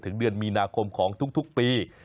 เดือนมีนาคมของทุกปี